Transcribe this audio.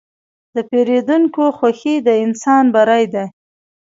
د پیرودونکي خوښي د انسان بری ده.